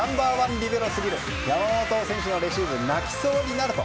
リベロすぎる山本選手のレシーブ泣きそうになる！と。